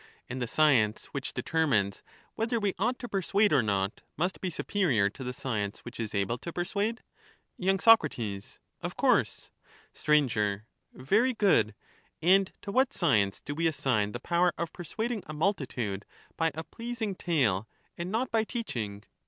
And the science which determines whether we ought to persuade or not, must be superior to the science which is able to persuade ? Y. Soc. Of course. Sir. Very good; and to what science do we assign the power of persuading a multitude by a pleasing tale and not by teaching